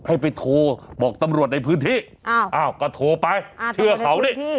ให้ไปโทรบอกตำรวจในพื้นที่อ้าวอ้าวก็โทรไปอ้าวตำรวจในพื้นที่